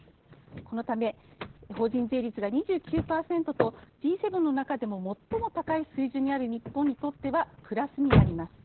このため法人税率が２９％とＧ７の中でも最も高い水準にある日本にとってはプラスになります。